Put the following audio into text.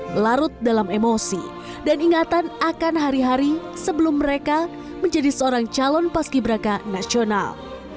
melarut dalam emosi dan ingatan akan hari hari sebelum mereka menjadi seorang calon paski beraka nasional